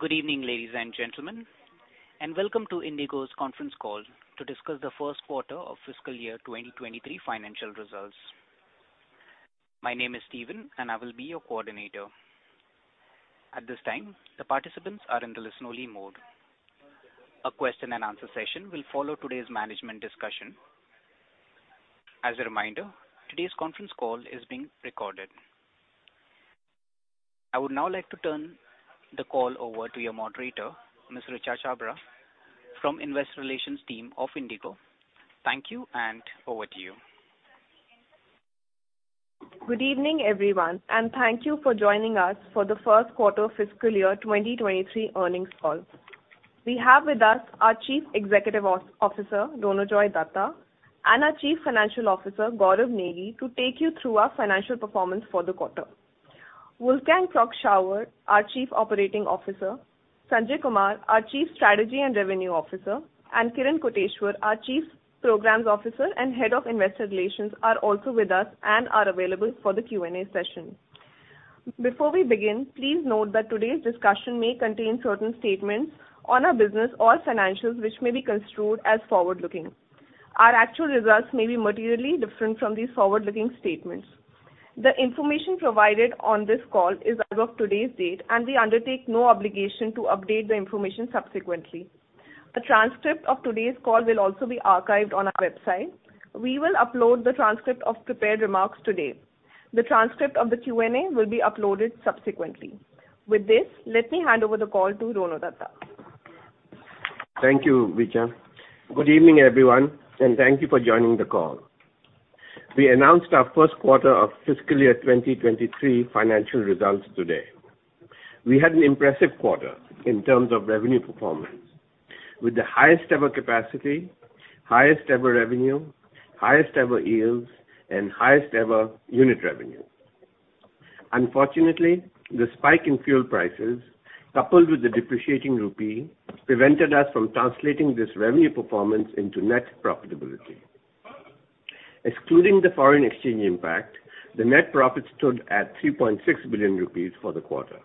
Good evening, ladies and gentlemen, and welcome to IndiGo's conference call to discuss the first quarter of fiscal year 2023 financial results. My name is Steven, and I will be your coordinator. At this time, the participants are in the listen-only mode. A question and answer session will follow today's management discussion. As a reminder, today's conference call is being recorded. I would now like to turn the call over to your moderator, Ms. Richa Chhabra, from Investor Relations team of IndiGo. Thank you, and over to you. Good evening, everyone, and thank you for joining us for the first quarter fiscal year 2023 earnings call. We have with us our Chief Executive Officer, Ronojoy Dutta, and our Chief Financial Officer, Gaurav Negi, to take you through our financial performance for the quarter. Wolfgang Prock-Schauer, our Chief Operating Officer, Sanjay Kumar, our Chief Strategy and Revenue Officer, and Kiran Koteshwar, our Chief Programs Officer and Head of Investor Relations are also with us and are available for the Q&A session. Before we begin, please note that today's discussion may contain certain statements on our business or financials which may be construed as forward-looking. Our actual results may be materially different from these forward-looking statements. The information provided on this call is as of today's date, and we undertake no obligation to update the information subsequently. A transcript of today's call will also be archived on our website. We will upload the transcript of prepared remarks today. The transcript of the Q&A will be uploaded subsequently. With this, let me hand over the call to Ronojoy Dutta. Thank you, Richa. Good evening, everyone, and thank you for joining the call. We announced our first quarter of fiscal year 2023 financial results today. We had an impressive quarter in terms of revenue performance with the highest ever capacity, highest ever revenue, highest ever yields, and highest ever unit revenue. Unfortunately, the spike in fuel prices, coupled with the depreciating rupee, prevented us from translating this revenue performance into net profitability. Excluding the foreign exchange impact, the net profit stood at 3.6 billion rupees for the quarter.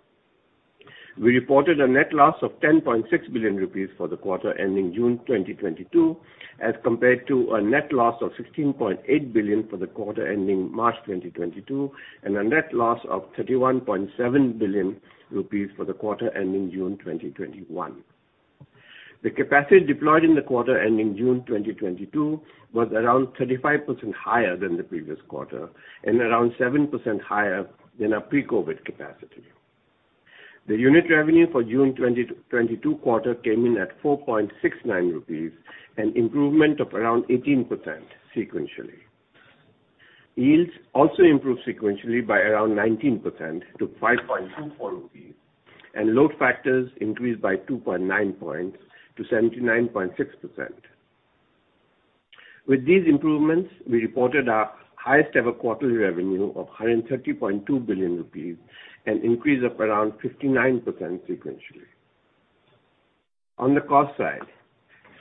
We reported a net loss of 10.6 billion rupees for the quarter ending June 2022, as compared to a net loss of 16.8 billion for the quarter ending March 2022, and a net loss of 31.7 billion rupees for the quarter ending June 2021. The capacity deployed in the quarter ending June 2022 was around 35% higher than the previous quarter and around 7% higher than our pre-COVID capacity. The unit revenue for June 2022 quarter came in at 4.69 rupees, an improvement of around 18% sequentially. Yields also improved sequentially by around 19% to 5.24 rupees, and load factors increased by 2.9 points to 79.6%. With these improvements, we reported our highest ever quarterly revenue of 130.2 billion rupees, an increase of around 59% sequentially. On the cost side,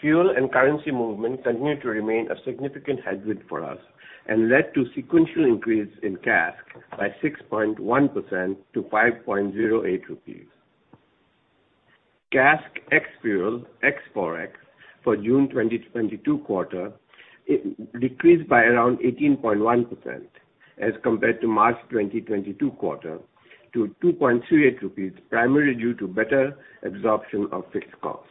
fuel and currency movement continued to remain a significant headwind for us and led to sequential increase in CASK by 6.1% to INR 5.08. CASK ex-fuel, ex-Forex for June 2022 quarter decreased by around 18.1% as compared to March 2022 quarter to 2.38 rupees, primarily due to better absorption of fixed costs.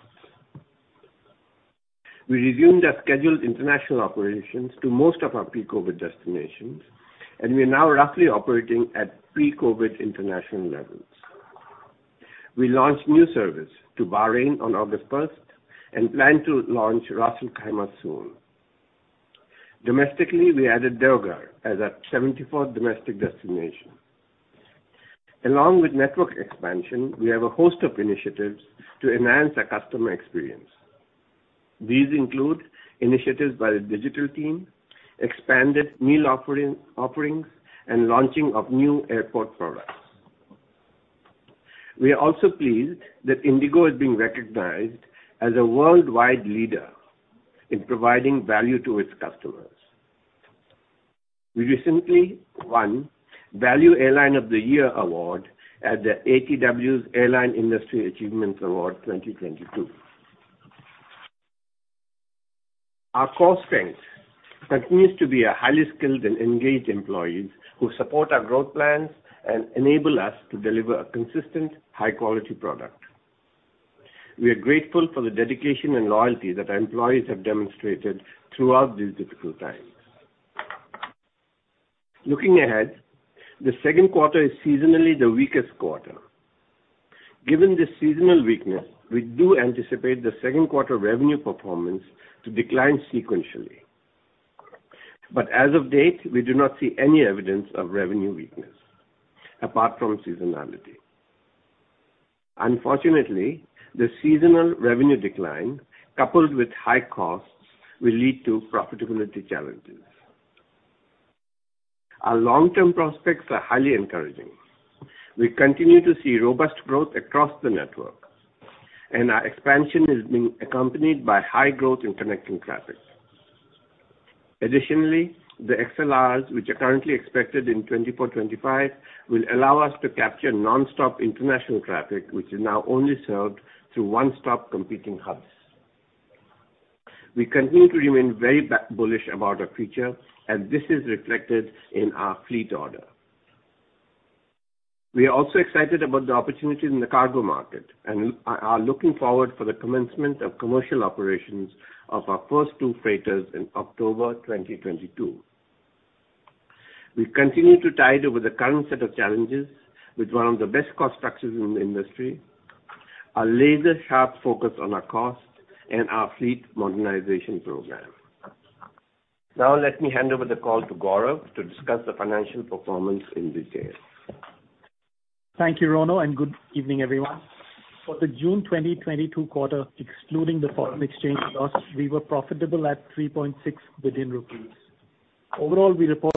We resumed our scheduled international operations to most of our pre-COVID destinations, and we are now roughly operating at pre-COVID international levels. We launched new service to Bahrain on August 1st and plan to launch Ras Al Khaimah soon. Domestically, we added Deoghar as our 74th domestic destination. Along with network expansion, we have a host of initiatives to enhance our customer experience. These include initiatives by the digital team, expanded meal offerings, and launching of new airport products. We are also pleased that IndiGo is being recognized as a worldwide leader in providing value to its customers. We recently won ATW's Value Airline of the Year. Our core strength continues to be our highly skilled and engaged employees who support our growth plans and enable us to deliver a consistent high-quality product. We are grateful for the dedication and loyalty that our employees have demonstrated throughout these difficult times. Looking ahead, the second quarter is seasonally the weakest quarter. Given this seasonal weakness, we do anticipate the second quarter revenue performance to decline sequentially. As of date, we do not see any evidence of revenue weakness apart from seasonality. Unfortunately, the seasonal revenue decline, coupled with high costs, will lead to profitability challenges. Our long-term prospects are highly encouraging. We continue to see robust growth across the network, and our expansion is being accompanied by high growth in connecting traffic. Additionally, the XLRs, which are currently expected in 2024, 2025, will allow us to capture nonstop international traffic, which is now only served through one-stop competing hubs. We continue to remain very bullish about our future, and this is reflected in our fleet order. We are also excited about the opportunities in the cargo market and are looking forward for the commencement of commercial operations of our first two freighters in October 2022. We continue to tide over the current set of challenges with one of the best cost structures in the industry, a laser-sharp focus on our cost, and our fleet modernization program. Now let me hand over the call to Gaurav to discuss the financial performance in detail. Thank you, Rono, and good evening, everyone. For the June 2022 quarter, excluding the foreign exchange loss, we were profitable at 3.6 billion rupees. Overall, we report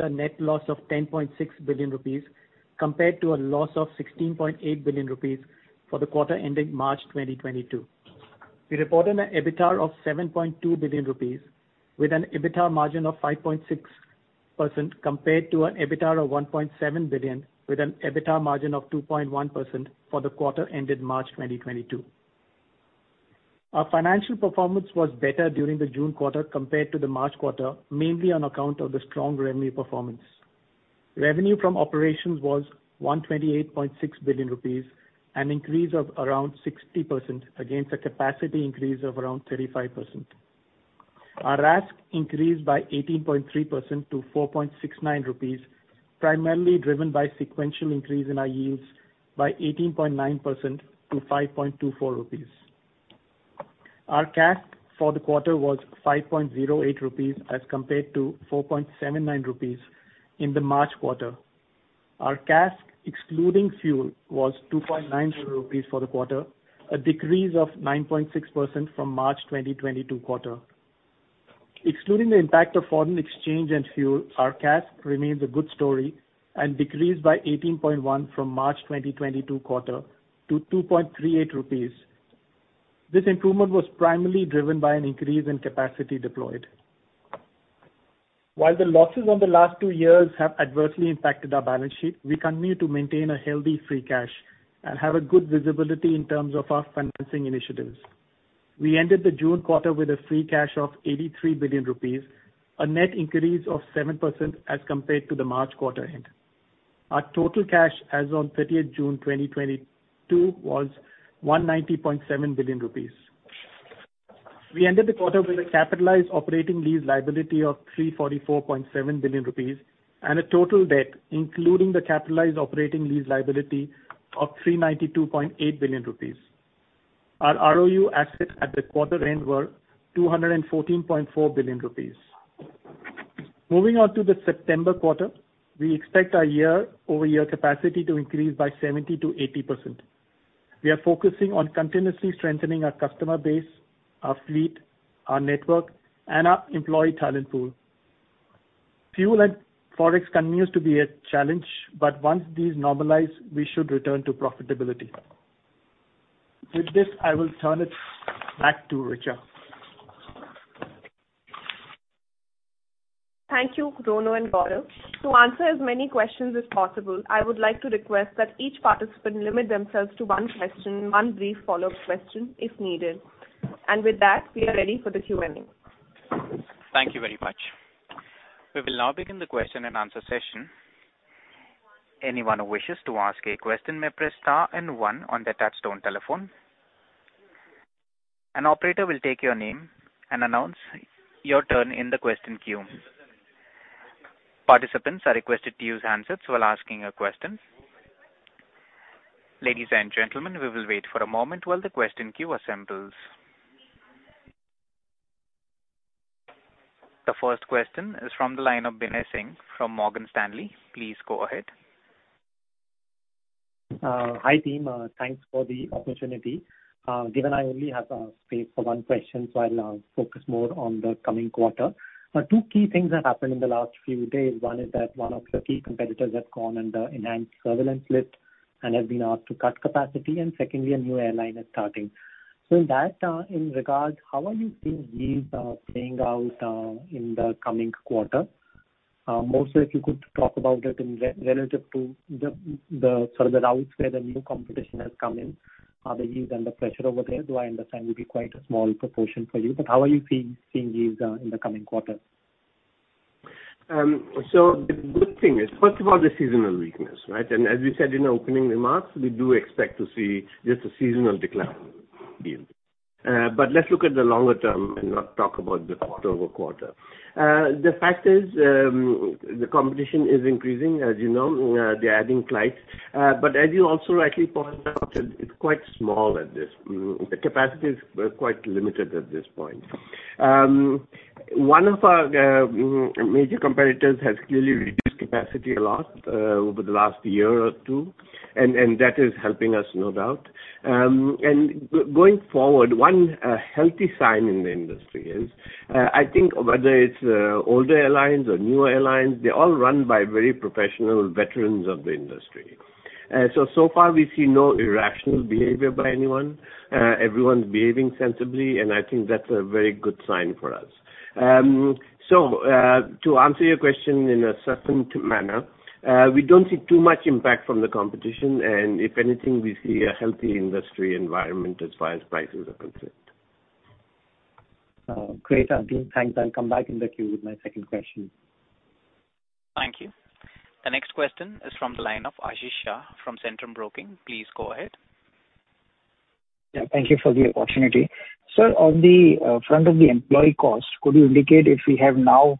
a net loss of 10.6 billion rupees compared to a loss of 16.8 billion rupees for the quarter ending March 2022. We reported an EBITDA of 7.2 billion rupees with an EBITDA margin of 5.6% compared to an EBITDA of 1.7 billion with an EBITDA margin of 2.1% for the quarter ending March 2022. Our financial performance was better during the June quarter compared to the March quarter, mainly on account of the strong revenue performance. Revenue from operations was 128.6 billion rupees, an increase of around 60% against a capacity increase of around 35%. Our RASK increased by 18.3% to 4.69 rupees, primarily driven by sequential increase in our yields by 18.9% to 5.24 rupees. Our CASK for the quarter was 5.08 rupees as compared to 4.79 rupees in the March quarter. Our CASK, excluding fuel, was 2.90 rupees for the quarter, a decrease of 9.6% from March 2022 quarter. Excluding the impact of foreign exchange and fuel, our CASK remains a good story and decreased by 18.1% from March 2022 quarter to 2.38 rupees. This improvement was primarily driven by an increase in capacity deployed. While the losses on the last two years have adversely impacted our balance sheet, we continue to maintain a healthy free cash and have a good visibility in terms of our financing initiatives. We ended the June quarter with a free cash of 83 billion rupees, a net increase of 7% as compared to the March quarter end. Our total cash as on 30th June 2022 was 190.7 billion rupees. We ended the quarter with a capitalized operating lease liability of 344.7 billion rupees and a total debt, including the capitalized operating lease liability, of 392.8 billion rupees. Our ROU assets at the quarter end were 214.4 billion rupees. Moving on to the September quarter, we expect our year-over-year capacity to increase by 70%-80%. We are focusing on continuously strengthening our customer base, our fleet, our network, and our employee talent pool. Fuel and Forex continues to be a challenge, but once these normalize, we should return to profitability. With this, I will turn it back to Richa. Thank you, Rono and Gaurav. To answer as many questions as possible, I would like to request that each participant limit themselves to one question and one brief follow-up question if needed. With that, we are ready for the Q&A. Thank you very much. We will now begin the question-and-answer session. Anyone who wishes to ask a question may press star and one on the touchtone telephone. An operator will take your name and announce your turn in the question queue. Participants are requested to use handsets while asking a question. Ladies and gentlemen, we will wait for a moment while the question queue assembles. The first question is from the line of Binay Singh from Morgan Stanley. Please go ahead. Hi Team, thanks for the opportunity. Given I only have a space for one question, so I will focus more on the coming quarter. But two key things that happened in the last few days, one is that one of your key competitors have gone under enhanced surveillance list and have been added to that capacity. And secondly, a new airline is starting. So in that regard, how do you see deals sort of playing out in the coming quarter? Mostly if you talk about it in relative to the sort of the routes where the new competition has come in. I mean you've been under pressure over there, so I understand you've been quite a small proportion for you, but how do you see indeed the coming quarter? So the first thing is, first of all, this is The good thing is, first of all, the seasonal weakness, right? As we said in our opening remarks, we do expect to see just a seasonal decline in yields. Let's look at the longer term and not talk about the quarter-over-quarter. The fact is, the competition is increasing. As you know, they're adding flights. As you also rightly pointed out, it's quite small at this. The capacity is quite limited at this point. One of our major competitors has clearly reduced capacity a lot over the last year or two, and that is helping us, no doubt. Going forward, one healthy sign in the industry is, I think, whether it's older airlines or newer airlines, they're all run by very professional veterans of the industry. So far we see no irrational behavior by anyone. Everyone's behaving sensibly, and I think that's a very good sign for us. To answer your question in a certain manner, we don't see too much impact from the competition, and if anything, we see a healthy industry environment as far as prices are concerned. Oh, great, Ronojoy. Thanks. I'll come back in the queue with my second question. Thank you. The next question is from the line of Ashish Shah from Centrum Broking. Please go ahead. Yeah, thank you for the opportunity. Sir, on the front of the employee cost, could you indicate if we have now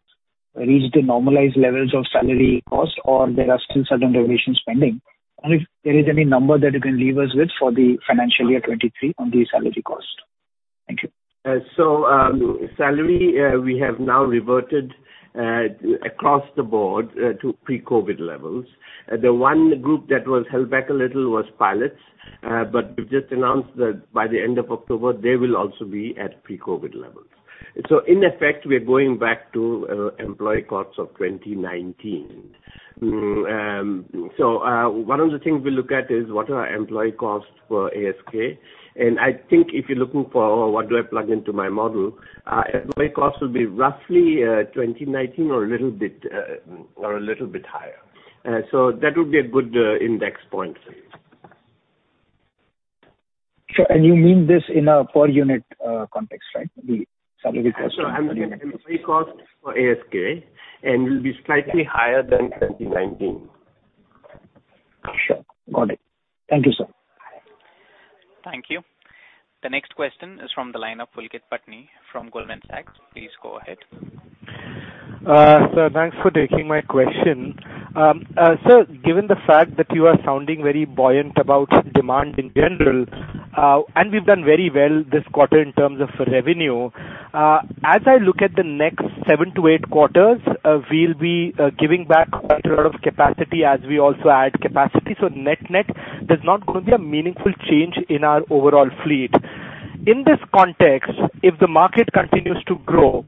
reached the normalized levels of salary cost or there are still certain revisions pending? If there is any number that you can leave us with for the financial year 2023 on the salary cost. Thank you. Salary, we have now reverted, across the board, to pre-COVID levels. The one group that was held back a little was pilots, but we've just announced that by the end of October, they will also be at pre-COVID levels. In effect, we are going back to employee costs of 2019. One of the things we look at is what are our employee costs for ASK, and I think if you're looking for what do I plug into my model, employee costs will be roughly 2019 or a little bit, or a little bit higher. That would be a good index point for you. Sure. You mean this in a per unit, context, right? The salary cost- I'm looking at employee costs for ASK, and will be slightly higher than 2019. Sure. Got it. Thank you, sir. Thank you. The next question is from the line of Pulkit Patni from Goldman Sachs. Please go ahead. Sir, thanks for taking my question. Sir, given the fact that you are sounding very buoyant about demand in general, and we've done very well this quarter in terms of revenue, as I look at the next seven to eight quarters, we'll be giving back quite a lot of capacity as we also add capacity. Net-net, there's not gonna be a meaningful change in our overall fleet. In this context, if the market continues to grow,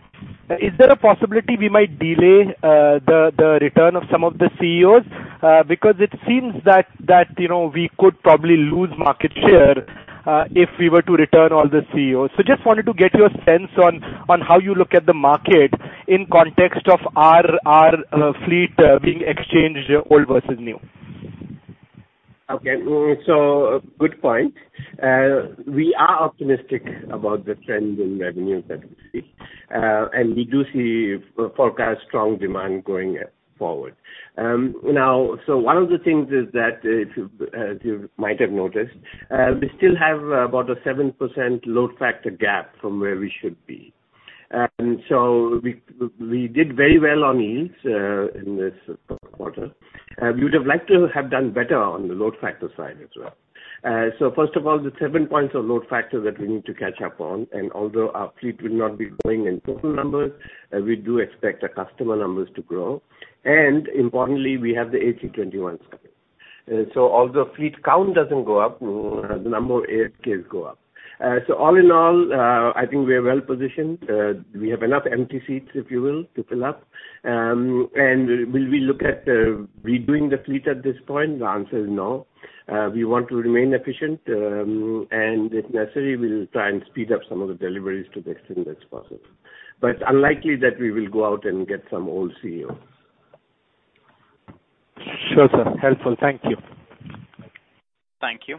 is there a possibility we might delay the return of some of the A320ceo? Because it seems that you know, we could probably lose market share if we were to return all the A320ceo. Just wanted to get your sense on how you look at the market in context of our fleet being exchanged old versus new. Good point. We are optimistic about the trend in revenues that we see. We do see forecast strong demand going forward. Now, one of the things is that if, as you might have noticed, we still have about a 7% load factor gap from where we should be. We did very well on yields in this quarter. We would have liked to have done better on the load factor side as well. First of all, the seven points of load factor that we need to catch up on, and although our fleet will not be growing in total numbers, we do expect our customer numbers to grow. Importantly, we have the A321s coming. Although fleet count doesn't go up, the number of ASK go up. All in all, I think we are well positioned. We have enough empty seats, if you will, to fill up. Will we look at redoing the fleet at this point? The answer is no. We want to remain efficient, and if necessary, we'll try and speed up some of the deliveries to the extent that's possible. Unlikely that we will go out and get some old A320ceo. Sure, sir. Helpful. Thank you. Thank you.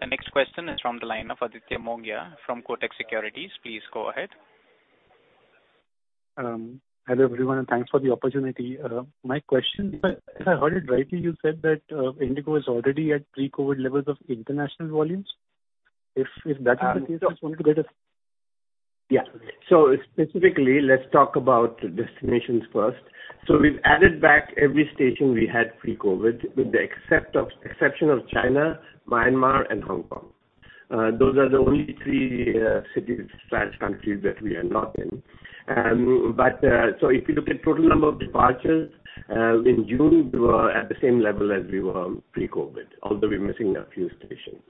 The next question is from the line of Aditya Mongia from Kotak Securities. Please go ahead. Hello, everyone, and thanks for the opportunity. My question, if I heard it rightly, you said that, IndiGo is already at pre-COVID levels of international volumes. If that is the case, just wanted to get a- Yeah. Specifically, let's talk about destinations first. We've added back every station we had pre-COVID, with the exception of China, Myanmar and Hong Kong. Those are the only three cities/countries that we are not in. If you look at total number of departures in June, we were at the same level as we were pre-COVID, although we're missing a few stations.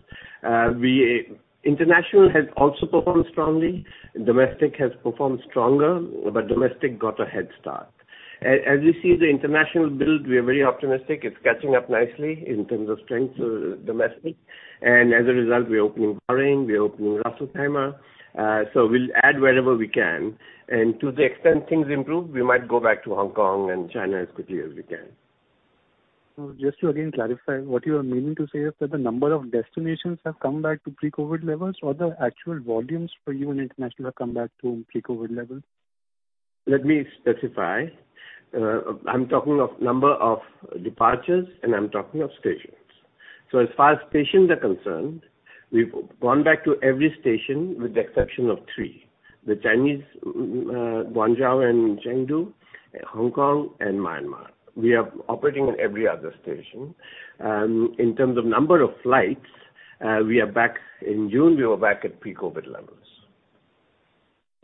International has also performed strongly. Domestic has performed stronger, but domestic got a head start. As you see the international build, we are very optimistic. It's catching up nicely in terms of strength to domestic. And as a result, we're opening Bahrain, we're opening Ras Al Khaimah. We'll add wherever we can. And to the extent things improve, we might go back to Hong Kong and China as quickly as we can. Just to again clarify, what you are meaning to say is that the number of destinations have come back to pre-COVID levels or the actual volumes for you in international have come back to pre-COVID levels? Let me specify. I'm talking of number of departures, and I'm talking of stations. As far as stations are concerned, we've gone back to every station with the exception of three, the Chinese, Guangzhou and Chengdu, Hong Kong and Myanmar. We are operating on every other station. In terms of number of flights, in June, we were back at pre-COVID levels.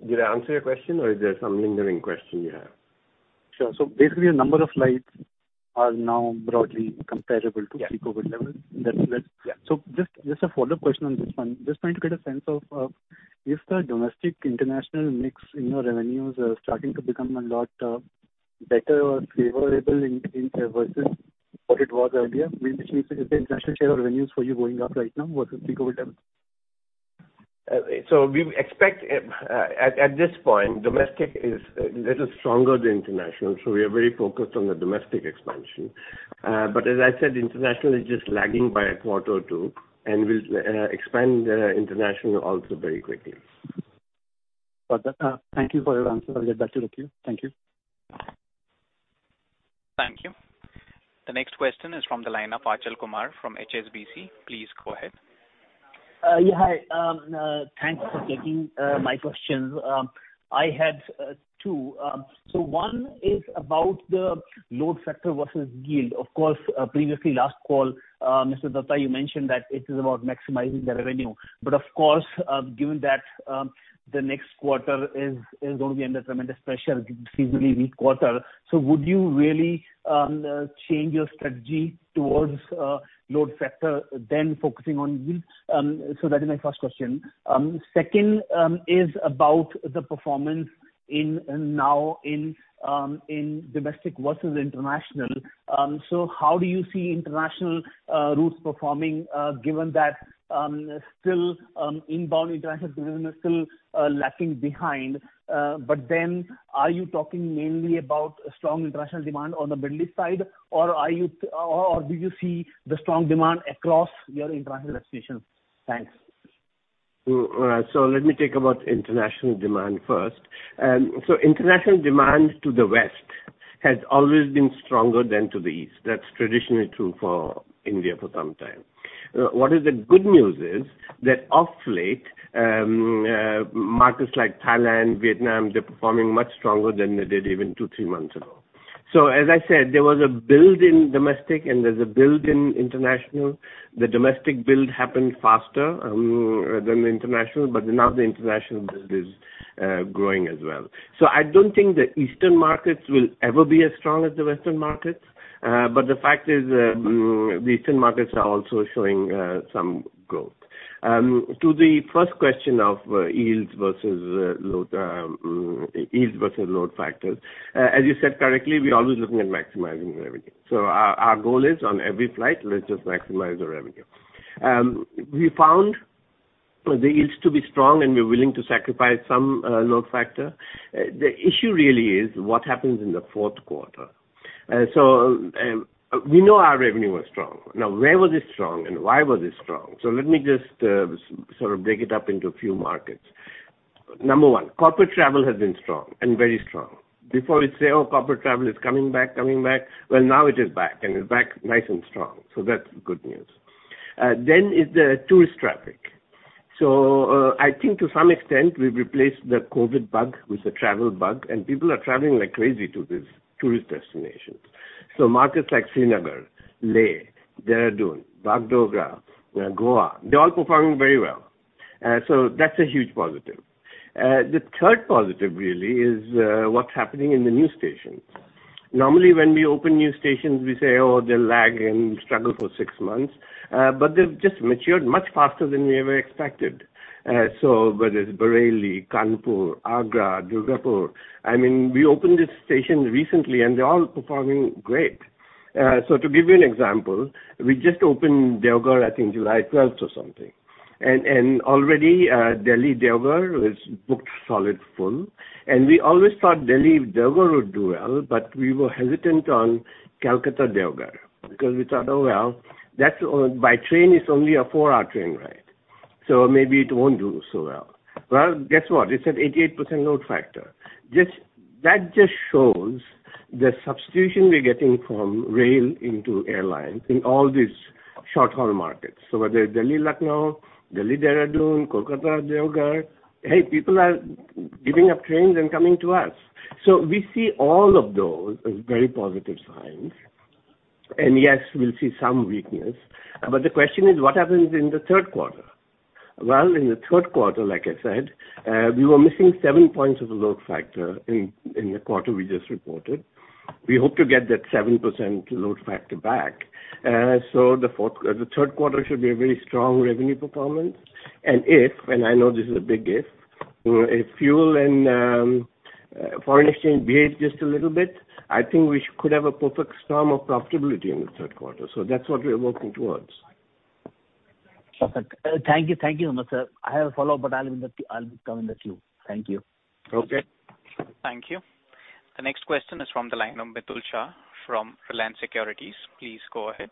Did I answer your question or is there some lingering question you have? Sure. Basically a number of flights are now broadly comparable to pre-COVID levels. Yeah. That's. Yeah. Just a follow-up question on this one. Just trying to get a sense of if the domestic international mix in your revenues are starting to become a lot. Better or favorable in versus what it was earlier? Which means is the international share of revenues for you going up right now with COVID? We expect, at this point, domestic is a little stronger than international, so we are very focused on the domestic expansion. As I said, international is just lagging by a quarter or two, and we'll expand international also very quickly. Got that. Thank you for your answer. I'll get back to the queue. Thank you. Thank you. The next question is from the line of Achal Kumar from HSBC. Please go ahead. Yeah, hi. Thanks for taking my questions. I had two. One is about the load factor versus yield. Of course, previously last call, Ronojoy Dutta, you mentioned that it is about maximizing the revenue, but of course, given that, the next quarter is gonna be under tremendous pressure, seasonally weak quarter. Would you really change your strategy towards load factor than focusing on yield? That is my first question. Second is about the performance now in domestic versus international. How do you see international routes performing, given that still inbound international business is still lagging behind? But then are you talking mainly about strong international demand on the Middle East side? Do you see the strong demand across your international destinations? Thanks. Let me talk about international demand first. International demand to the West has always been stronger than to the East. That's traditionally true for India for some time. What is the good news is that of late, markets like Thailand, Vietnam, they're performing much stronger than they did even two, three months ago. As I said, there was a build in domestic and there's a build in international. The domestic build happened faster than the international, but now the international build is growing as well. I don't think the Eastern markets will ever be as strong as the Western markets. The fact is, the Eastern markets are also showing some growth. To the first question of yields versus load yields versus load factors. As you said correctly, we're always looking at maximizing revenue. Our goal is on every flight, let's just maximize the revenue. We found the yields to be strong and we're willing to sacrifice some load factor. The issue really is what happens in the fourth quarter. We know our revenue was strong. Now, where was it strong and why was it strong? Let me just sort of break it up into a few markets. Number one, corporate travel has been strong and very strong. Before we'd say, "Oh, corporate travel is coming back." Well, now it is back, and it's back nice and strong. That's good news. Then is the tourist traffic. I think to some extent, we've replaced the COVID bug with a travel bug, and people are traveling like crazy to these tourist destinations. Markets like Srinagar, Leh, Dehradun, Bagdogra, Goa, they're all performing very well. That's a huge positive. The third positive really is what's happening in the new stations. Normally, when we open new stations, we say, "Oh, they'll lag and struggle for six months." They've just matured much faster than we ever expected. Whether it's Bareilly, Kanpur, Agra, Durgapur, I mean, we opened these stations recently, and they're all performing great. To give you an example, we just opened Deoghar, I think July 12th or something. Already, Delhi-Deoghar is booked solid full. We always thought Delhi-Deoghar would do well, but we were hesitant on Kolkata-Deoghar because we thought, "Oh, well, that's by train it's only a four-hour train ride, so maybe it won't do so well." Well, guess what? It's at 88% load factor. Just, that just shows the substitution we're getting from rail into airlines in all these short-haul markets. Whether it's Delhi-Lucknow, Delhi-Dehradun, Kolkata-Deoghar, hey, people are giving up trains and coming to us. We see all of those as very positive signs. Yes, we'll see some weakness, but the question is what happens in the third quarter? Well, in the third quarter, like I said, we were missing seven points of load factor in the quarter we just reported. We hope to get that 7% load factor back. The third quarter should be a very strong revenue performance. If, and I know this is a big if fuel and foreign exchange behave just a little bit, I think we could have a perfect storm of profitability in the third quarter. That's what we're working towards. Perfect. Thank you. Thank you, sir. I have a follow-up, but I'll be in the queue. Thank you. Okay. Thank you. The next question is from the line of Mitul Shah from Reliance Securities. Please go ahead.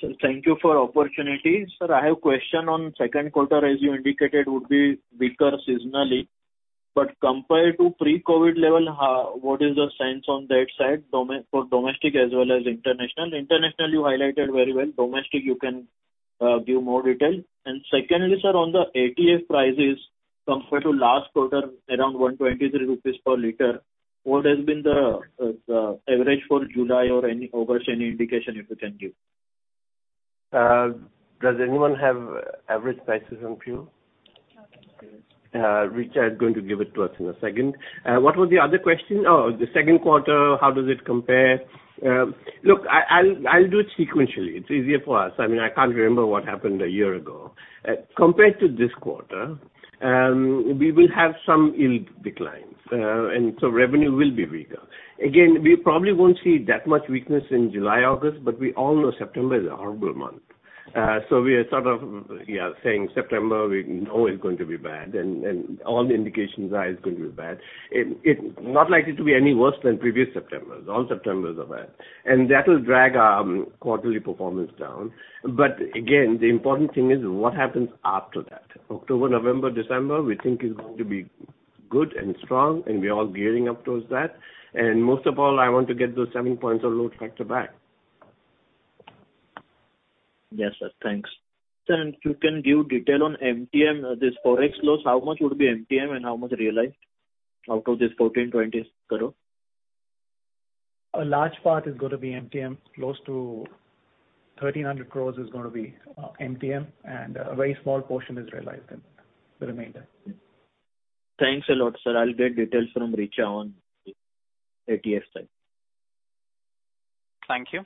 Sir, thank you for opportunity. Sir, I have question on second quarter as you indicated would be weaker seasonally, but compared to pre-COVID level, what is the sense on that side for domestic as well as international? International you highlighted very well. Domestic you can give more detail. Secondly, sir, on the ATF prices compared to last quarter, around 123 rupees per liter, what has been the average for July or any indication you can give? Does anyone have average prices on fuel? Richa is going to give it to us in a second. What was the other question? Oh, the second quarter, how does it compare? Look, I'll do it sequentially. It's easier for us. I mean, I can't remember what happened a year ago. Compared to this quarter, we will have some yield declines, and so revenue will be weaker. Again, we probably won't see that much weakness in July, August, but we all know September is a horrible month. So we are sort of, yeah, saying September we know is going to be bad and all the indications are it's going to be bad. It's not likely to be any worse than previous Septembers. All Septembers are bad. That'll drag our quarterly performance down. again, the important thing is what happens after that. October, November, December, we think is going to be good and strong, and we are gearing up towards that. most of all, I want to get those seven points of load factor back. Yes, sir. Thanks. Sir, if you can give detail on MTM, this Forex loss, how much would be MTM and how much realized out of this INR 1,420 crore? A large part is gonna be MTM. Close to 1,300 crore is gonna be MTM, and a very small portion is realized in the remainder. Thanks a lot, sir. I'll get details from Richa on ATF side. Thank you.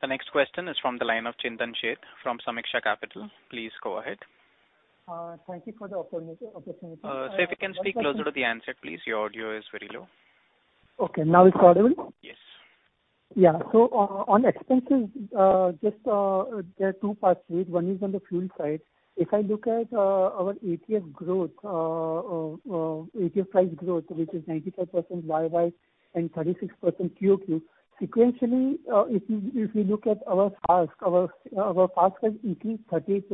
The next question is from the line of Chintan Sheth from Sameeksha Capital. Please go ahead. Thank you for the opportunity. Sir, if you can speak closer to the handset, please. Your audio is very low. Okay. Now it's audible? Yes. Yeah. On expenses, there are two parts to it. One is on the fuel side. If I look at our ATF price growth, which is 95% YoY and 36% Q-o-Q, sequentially, if you look at our FASK, our FASK has increased 38%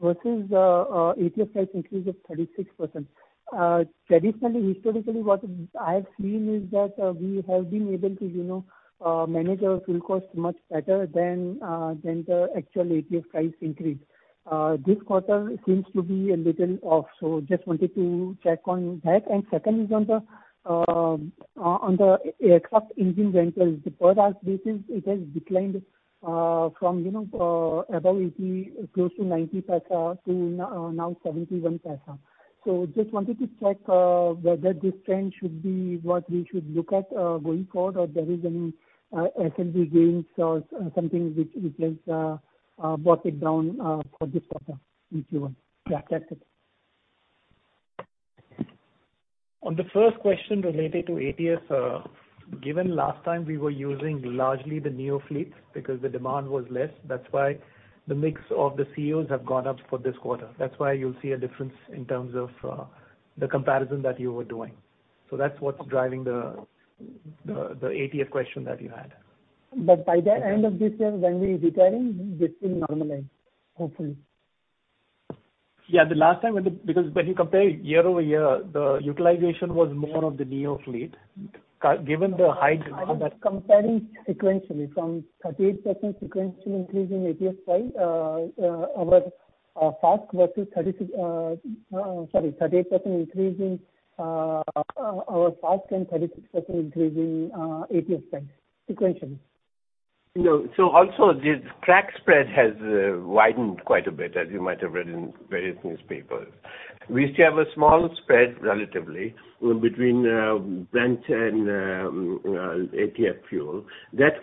versus ATF price increase of 36%. Traditionally, historically, what I've seen is that we have been able to, you know, manage our fuel cost much better than the actual ATF price increase. This quarter seems to be a little off. Just wanted to check on that. Second is on the aircraft engine rentals. The per ASK basis, it has declined from, you know, above 0.80 close to 0.90 to now 0.71. Just wanted to check whether this trend should be what we should look at going forward or there is any F&B gains or something which has brought it down for this quarter, Q1. Yeah. That's it. On the first question related to ATF, given last time we were using largely the A320neo fleet because the demand was less, that's why the mix of the A320ceo have gone up for this quarter. That's why you'll see a difference in terms of, the comparison that you were doing. That's what's driving the ATF question that you had. By the end of this year when we retiring, this will normalize, hopefully. Because when you compare year-over-year, the utilization was more of the A320neo fleet. Given the high drive of that. I was comparing sequentially from 38% sequentially increase in ATF price, our FASK versus sorry, 38% increase in our FASK and 36% increase in ATF price sequentially. No. Also this crack spread has widened quite a bit, as you might have read in various newspapers. We still have a small spread relatively between Brent and ATF fuel. That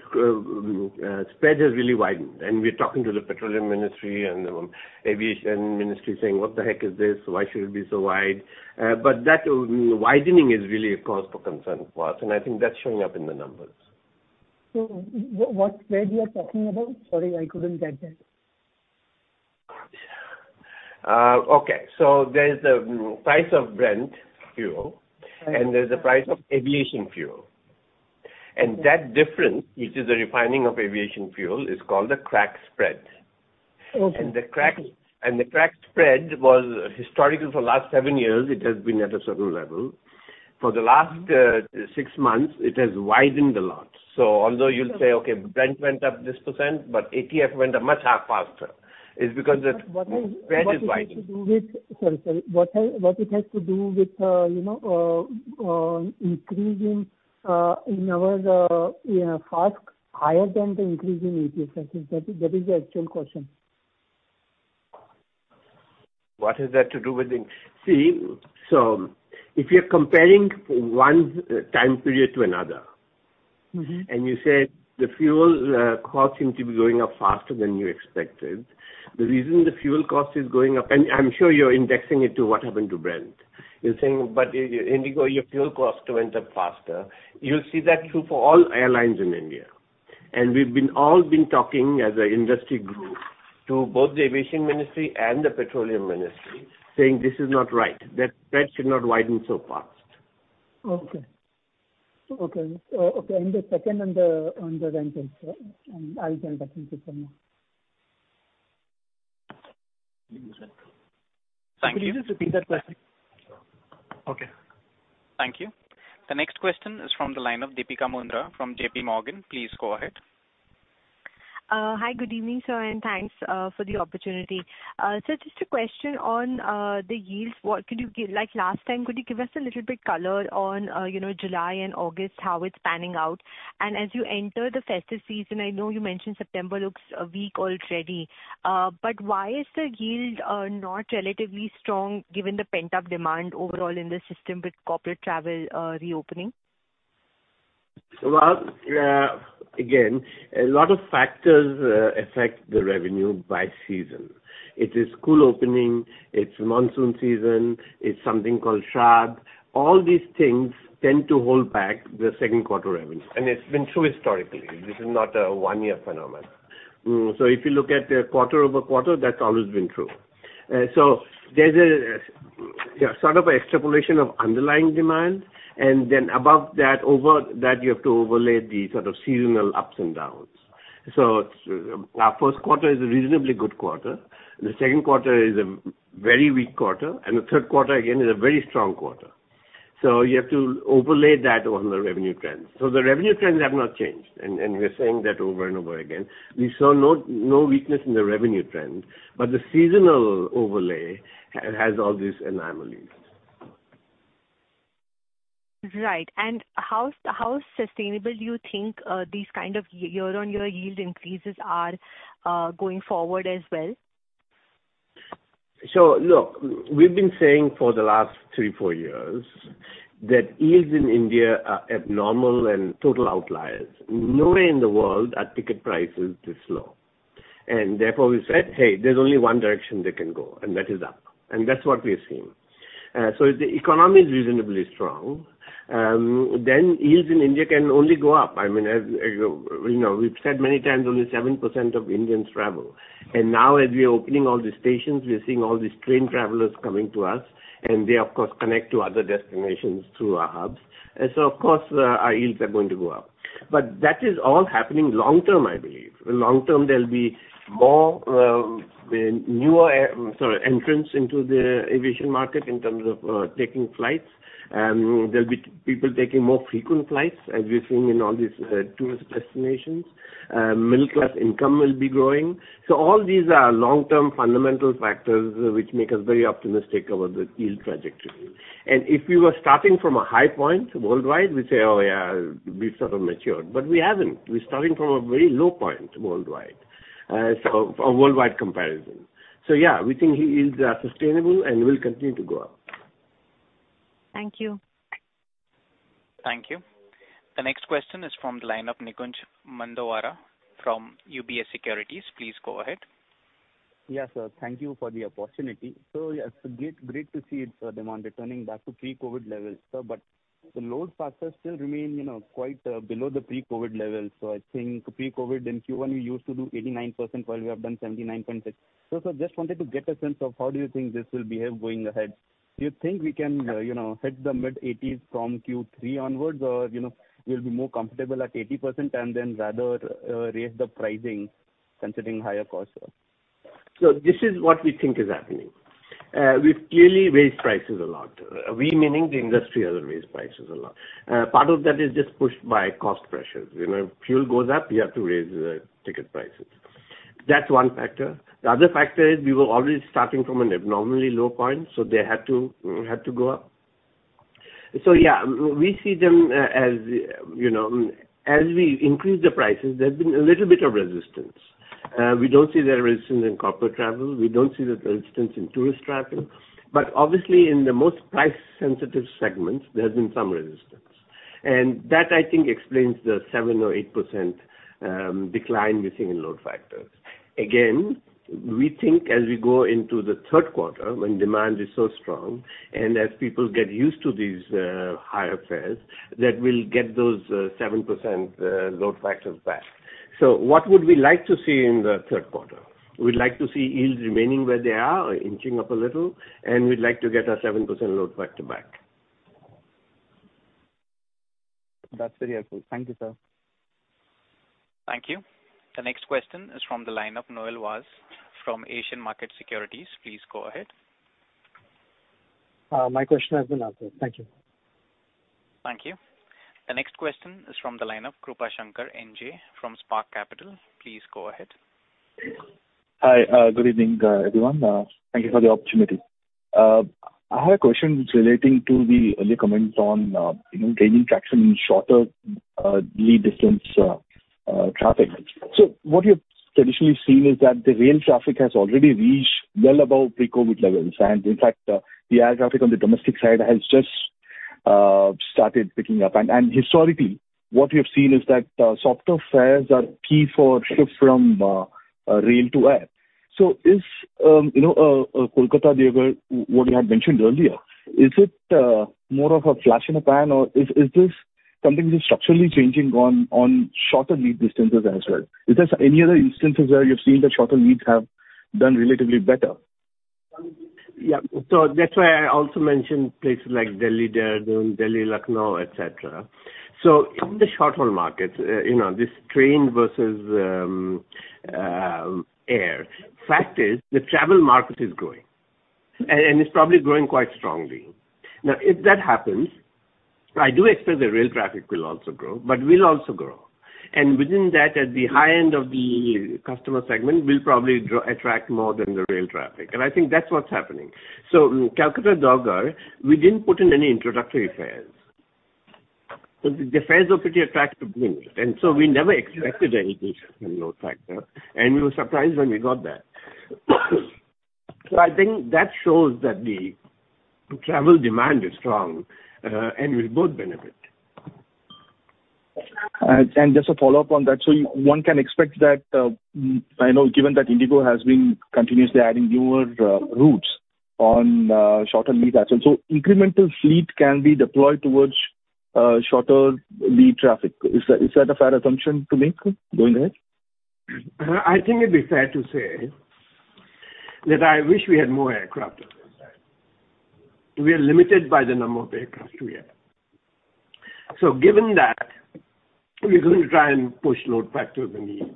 spread has really widened, and we're talking to the petroleum ministry and the aviation ministry saying, "What the heck is this? Why should it be so wide?" That widening is really a cause for concern for us, and I think that's showing up in the numbers. What spread you are talking about? Sorry, I couldn't get that. There's the price of Brent fuel. Right there's the price of aviation fuel. That difference, which is the refining of aviation fuel, is called the crack spread. Okay. The crack spread was historically for the last seven years at a certain level. For the last six months, it has widened a lot. Although you'll say, "Okay, Brent went up this percent, but ATF went up much faster." It's because the spread is wide. What has it to do with, you know, increasing in our FASK higher than the increase in ATF prices? That is the actual question. What is that to do with the? See, if you're comparing one time period to another. Mm-hmm You said the fuel cost seems to be going up faster than you expected. The reason the fuel cost is going up, and I'm sure you're indexing it to what happened to Brent. You're saying, "But, IndiGo, your fuel costs went up faster." You'll see that's true for all airlines in India. We've all been talking as an industry group to both the Aviation Ministry and the Petroleum Ministry saying this is not right, that spread should not widen so fast. Okay. The second on the rentals. I'll get back to you. Thank you. Could you just repeat that question? Okay. Thank you. The next question is from the line of Deepika Mundra from JPMorgan. Please go ahead. Hi. Good evening, sir, and thanks for the opportunity. Just a question on the yields. Like last time, could you give us a little bit color on, you know, July and August, how it's panning out? As you enter the festive season, I know you mentioned September looks weak already. Why is the yield not relatively strong given the pent-up demand overall in the system with corporate travel reopening? Well, again, a lot of factors affect the revenue by season. It is school opening, it's monsoon season, it's something called Shraadh. All these things tend to hold back the second quarter revenue. It's been true historically. This is not a one-year phenomenon. If you look at the quarter-over-quarter, that's always been true. There's a, yeah, sort of extrapolation of underlying demand, and then above that, over that you have to overlay the sort of seasonal ups and downs. Our first quarter is a reasonably good quarter, the second quarter is a very weak quarter, and the third quarter again is a very strong quarter. You have to overlay that on the revenue trends. The revenue trends have not changed, and we're saying that over and over again. We saw no weakness in the revenue trends, but the seasonal overlay has all these anomalies. Right. How sustainable do you think these kind of year-on-year yield increases are going forward as well? Look, we've been saying for the last three to four years that yields in India are abnormal and total outliers. Nowhere in the world are ticket prices this low. We said, "Hey, there's only one direction they can go," and that is up. That's what we are seeing. If the economy is reasonably strong, then yields in India can only go up. I mean, as you know, we've said many times only 7% of Indians travel. Now as we are opening all the stations, we are seeing all these train travelers coming to us, and they of course connect to other destinations through our hubs. Of course, our yields are going to go up. That is all happening long term, I believe. Long-term, there'll be more entrants into the aviation market in terms of taking flights. There'll be people taking more frequent flights, as we've seen in all these tourist destinations. Middle-class income will be growing. All these are long-term fundamental factors which make us very optimistic about the yield trajectory. If we were starting from a high point worldwide, we'd say, "Oh, yeah, we've sort of matured." We haven't. We're starting from a very low point worldwide. A worldwide comparison. Yeah, we think yields are sustainable and will continue to go up. Thank you. Thank you. The next question is from the line of Nikunj Mandowara from UBS Securities. Please go ahead. Yes, sir. Thank you for the opportunity. Yes, great to see demand returning back to pre-COVID levels, sir. The load factors still remain, you know, quite below the pre-COVID levels. I think pre-COVID in Q1 we used to do 89%, while we have done 79.6%. Sir, just wanted to get a sense of how do you think this will behave going ahead? Do you think we can, you know, hit the mid-80s from Q3 onwards or, you know, we'll be more comfortable at 80% and then rather raise the pricing considering higher costs, sir? This is what we think is happening. We've clearly raised prices a lot. We, meaning the industry, has raised prices a lot. Part of that is just pushed by cost pressures. You know, fuel goes up, you have to raise the ticket prices. That's one factor. The other factor is we were already starting from an abnormally low point, so they had to go up. Yeah, we see them as, you know, as we increase the prices, there's been a little bit of resistance. We don't see that resistance in corporate travel. We don't see the resistance in tourist travel. But obviously, in the most price-sensitive segments, there's been some resistance. That, I think, explains the 7%-8% decline we see in load factors. Again, we think as we go into the third quarter when demand is so strong and as people get used to these higher fares, that we'll get those 7% load factors back. What would we like to see in the third quarter? We'd like to see yields remaining where they are or inching up a little, and we'd like to get our 7% load factor back. That's very helpful. Thank you, sir. Thank you. The next question is from the line of Noel Vaz from Asian Markets Securities. Please go ahead. My question has been answered. Thank you. Thank you. The next question is from the line of Krupashankar NJ from Spark Capital. Please go ahead. Hi. Good evening, everyone. Thank you for the opportunity. I had a question relating to the earlier comments on, you know, gaining traction in shorter lead distance traffic. What we have traditionally seen is that the rail traffic has already reached well above pre-COVID levels, and in fact, the air traffic on the domestic side has just started picking up. Historically, what we have seen is that softer fares are key for shift from rail to air. Is you know Kolkata what you had mentioned earlier, is it more of a flash in the pan or is this something that's structurally changing on shorter lead distances as well? Is there any other instances where you've seen that shorter leads have done relatively better? Yeah. That's why I also mentioned places like Delhi, Dehradun, Delhi, Lucknow, et cetera. In the short-haul markets, you know, this train versus air factor, the travel market is growing, and it's probably growing quite strongly. Now, if that happens, I do expect the rail traffic will also grow, but we'll also grow. Within that, at the high end of the customer segment, we'll probably attract more than the rail traffic, and I think that's what's happening. Calcutta-Durgapur, we didn't put in any introductory fares. The fares were pretty attractive then, and so we never expected any issue in load factor, and we were surprised when we got that. I think that shows that the travel demand is strong, and we both benefit. Just a follow-up on that. One can expect that, I know given that IndiGo has been continuously adding newer routes on shorter lead time. Incremental fleet can be deployed towards shorter lead traffic. Is that a fair assumption to make going ahead? I think it'd be fair to say that I wish we had more aircraft at this time. We are limited by the number of aircraft we have. Given that, we're going to try and push load factors and yield.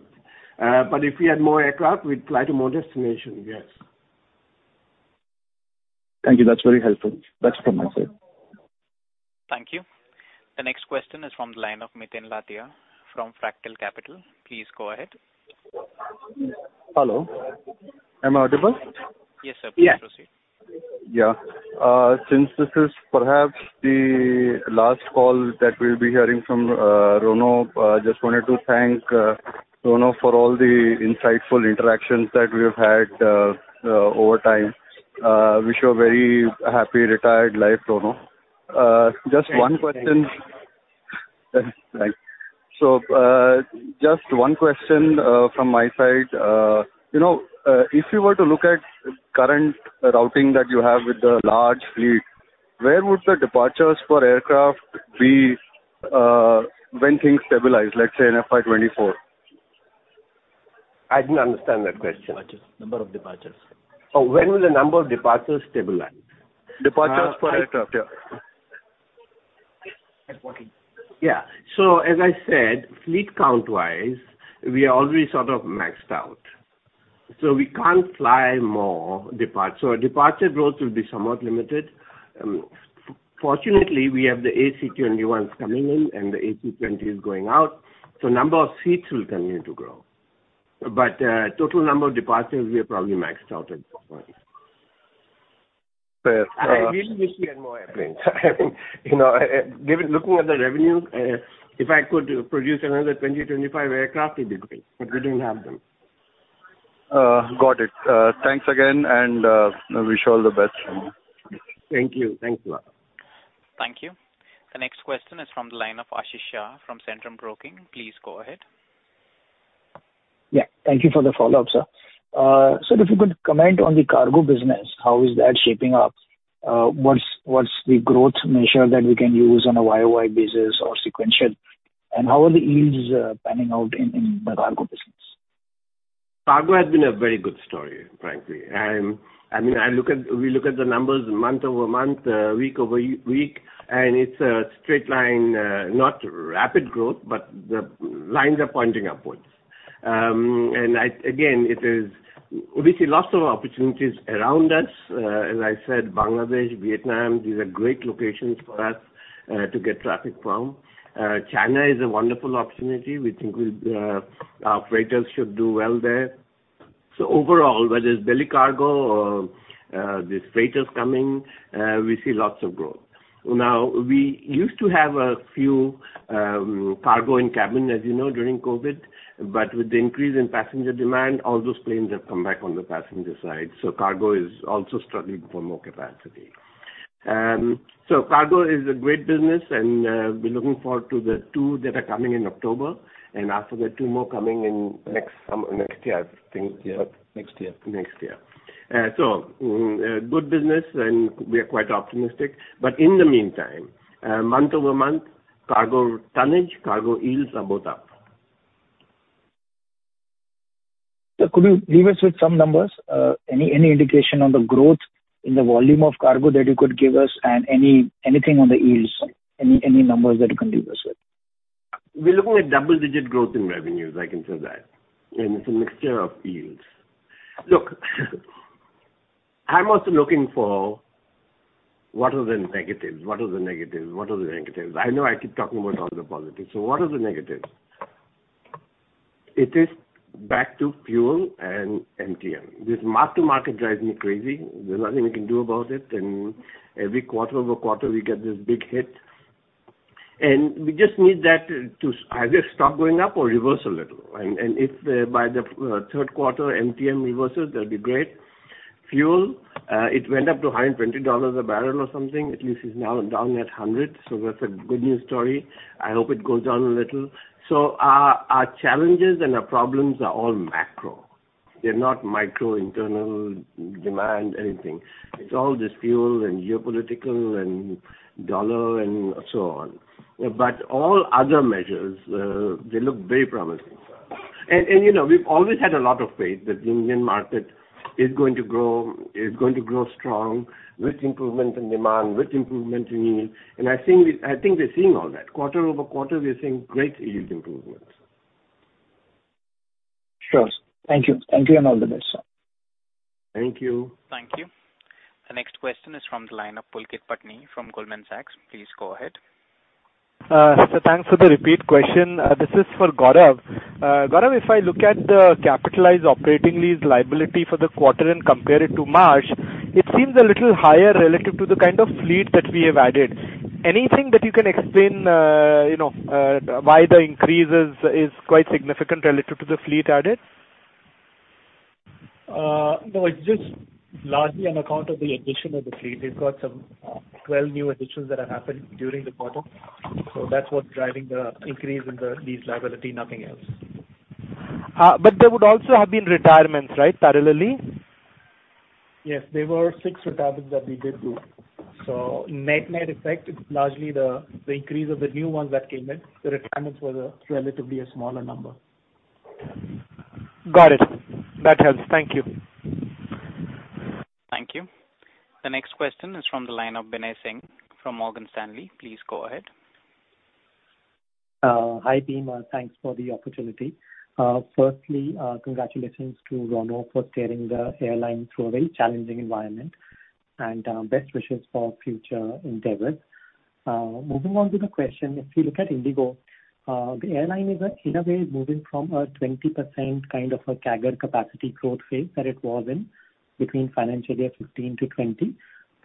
If we had more aircraft, we'd fly to more destinations, yes. Thank you. That's very helpful. That's from my side. Thank you. The next question is from the line of Miten Lathia from Fractal Capital. Please go ahead. Hello, am I audible? Yes, sir. Yes. Please proceed. Yeah. Since this is perhaps the last call that we'll be hearing from Rono, just wanted to thank Rono for all the insightful interactions that we have had over time. Wish you a very happy retired life, Rono. Just one question. Thank you. Thank you. Just one question from my side. You know, if you were to look at current routing that you have with the large fleet, where would the departures for aircraft be, when things stabilize, let's say in FY 2024? I didn't understand that question. Departures. Number of departures. Oh, when will the number of departures stabilize? Departures for aircraft, yeah. Departing. Yeah. As I said, fleet count-wise, we are already sort of maxed out, so we can't fly more departures. Our departure growth will be somewhat limited. Fortunately, we have the A321s coming in and the A320s going out, so number of seats will continue to grow. Total number of departures, we are probably maxed out at this point. But, uh- I really wish we had more airplanes. You know, looking at the revenues, if I could produce another 20-25 aircraft, it'd be great, but we don't have them. Got it. Thanks again, and wish you all the best. Thank you. Thanks a lot. Thank you. The next question is from the line of Ashish Shah from Centrum Broking. Please go ahead. Yeah. Thank you for the follow-up, sir. If you could comment on the cargo business, how is that shaping up? What's the growth measure that we can use on a YOY basis or sequential? And how are the yields panning out in the cargo business? Cargo has been a very good story, frankly. We look at the numbers month-over-month, week-over-week, and it's a straight line, not rapid growth, but the lines are pointing upwards. We see lots of opportunities around us. As I said, Bangladesh, Vietnam, these are great locations for us to get traffic from. China is a wonderful opportunity. We think we'll, our freighters should do well there. Overall, whether it's belly cargo or these freighters coming, we see lots of growth. Now, we used to have a few cargo in cabin, as you know, during COVID, but with the increase in passenger demand, all those planes have come back on the passenger side. Cargo is also struggling for more capacity. Cargo is a great business and we're looking forward to the two that are coming in October, and after that, two more coming in next year, I think. Yeah. Next year. Next year. Good business and we are quite optimistic. In the meantime, month-over-month, cargo tonnage, cargo yields are both up. Sir, could you leave us with some numbers? Any indication on the growth in the volume of cargo that you could give us and anything on the yields? Any numbers that you can leave us with? We're looking at double-digit growth in revenues, I can say that, and it's a mixture of yields. Look, I'm also looking for what are the negatives. I know I keep talking about all the positives, so what are the negatives? It is back to fuel and MTM. This mark-to-market drives me crazy. There's nothing we can do about it, and every quarter-over-quarter we get this big hit. We just need that to either stop going up or reverse a little. If by the third quarter MTM reverses, that'd be great. Fuel, it went up to $120 a barrel or something. At least it's now down at $100, so that's a good news story. I hope it goes down a little. Our challenges and our problems are all macro. They're not macro, external demand anything. It's all this fuel and geopolitical and dollar and so on. All other measures, they look very promising. You know, we've always had a lot of faith that the Indian market is going to grow strong with improvement in demand, with improvement in yield, and I think we're seeing all that. Quarter-over-quarter, we are seeing great yield improvements. Sure. Thank you. Thank you, and all the best, sir. Thank you. Thank you. The next question is from the line of Pulkit Patni from Goldman Sachs. Please go ahead. Thanks for the repeat question. This is for Gaurav. Gaurav, if I look at the capitalized operating lease liability for the quarter and compare it to March, it seems a little higher relative to the kind of fleet that we have added. Anything that you can explain, you know, why the increases is quite significant relative to the fleet added? No, it's just largely on account of the addition of the fleet. We've got some, 12 new additions that have happened during the quarter, so that's what's driving the increase in the lease liability, nothing else. There would also have been retirements, right, parallelly? Yes. There were six retirements that we did do. Net-net effect, it's largely the increase of the new ones that came in. The retirements were the, relatively a smaller number. Got it. That helps. Thank you. Thank you. The next question is from the line of Binay Singh from Morgan Stanley. Please go ahead. Hi, team. Thanks for the opportunity. Firstly, congratulations to Rono for steering the airline through a very challenging environment, and best wishes for future endeavors. Moving on to the question, if you look at IndiGo, the airline is in a way moving from a 20% kind of a CAGR capacity growth phase that it was in between financial year 2015 to 2020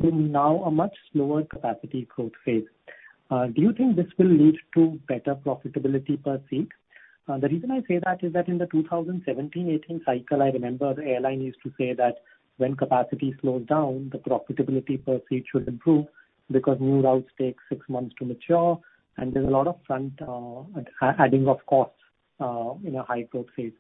to now a much slower capacity growth phase. Do you think this will lead to better profitability per seat? The reason I say that is that in the 2017-2018 cycle, I remember the airline used to say that when capacity slows down, the profitability per seat should improve because new routes take six months to mature and there's a lot of front adding of costs in a high growth phase.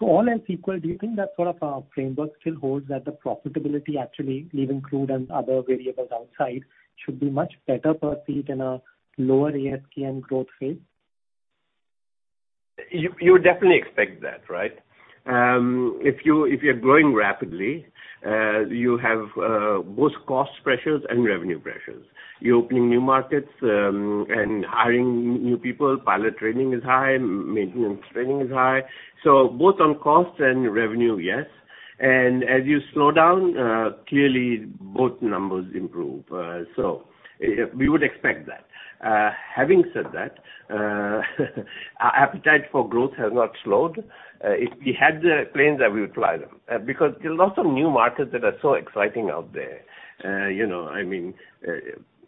All else equal, do you think that sort of framework still holds that the profitability, actually leaving income and other variables outside, should be much better per seat in a lower ASKM growth phase? You would definitely expect that, right? If you're growing rapidly, you have both cost pressures and revenue pressures. You're opening new markets and hiring new people. Pilot training is high, maintenance training is high. So both on costs and revenue, yes. As you slow down, clearly both numbers improve. We would expect that. Having said that, our appetite for growth has not slowed. If we had the planes that we would fly them, because there are lots of new markets that are so exciting out there. You know, I mean,